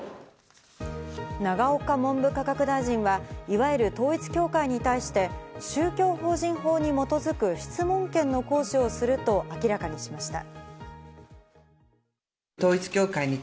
永岡文部科学大臣はいわゆる統一教会に対して、宗教法人法に基づく、質問権の行使をすると明らかにしました。